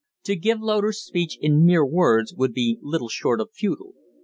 To give Loder's speech in mere words would be little short of futile.